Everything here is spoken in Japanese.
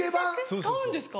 使うんですか？